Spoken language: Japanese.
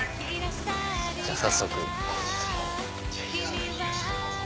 じゃあ早速。